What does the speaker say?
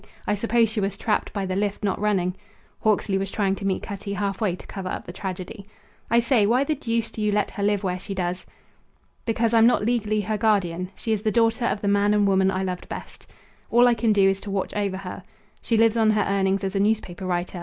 I suppose she was trapped by the lift not running." Hawksley was trying to meet Cutty halfway to cover up the tragedy. "I say, why the deuce do you let her live where she does?" "Because I'm not legally her guardian. She is the daughter of the man and woman I loved best. All I can do is to watch over her. She lives on her earnings as a newspaper writer.